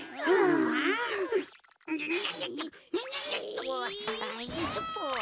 あっよいしょっと。